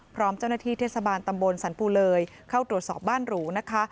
พร้อมเจ้าหน้าที่เทศบาลตำบลสันปูเลยเข้าตรวจสอบบ้านหรูนะคะ